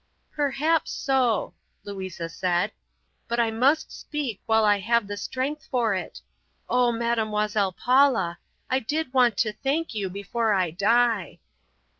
"Perhaps so," Louisa said, "but I must speak while I have strength for it. Oh, Mademoiselle Paula, I did want to thank you before I die!"